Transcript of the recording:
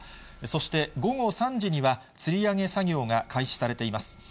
そして、午後３時には、つり上げ作業が開始されています。